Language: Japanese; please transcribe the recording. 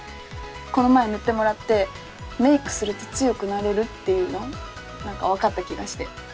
この前塗ってもらって「メイクすると強くなれる」っていうの何か分かった気がして。